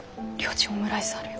ちんオムライスあるよ。